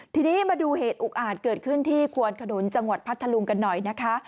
ทีนี้มาดูเหตุอุกอาจเกิดขึ้นที่ควนขนุนจังหวัดพัทธลุงกันหน่อยนะคะ